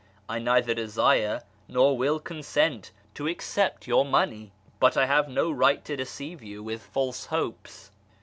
I neither desire nor would con sent to accept your money, but I have no right to deceive you with false hopes.